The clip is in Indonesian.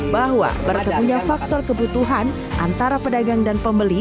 bahwa berkepunya faktor kebutuhan antara pedagang dan pembeli